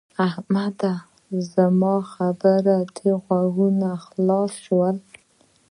احمده! زما په خبره دې غوږونه خلاص شول؟